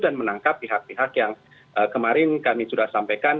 dan menangkap pihak pihak yang kemarin kami sudah sampaikan